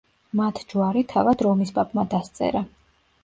მათ ჯვარი თავად რომის პაპმა დასწერა.